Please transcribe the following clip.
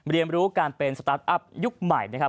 เรียนรู้การเป็นสตาร์ทอัพยุคใหม่นะครับ